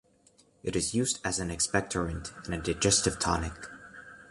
It is used as an expectorant and a digestive tonic.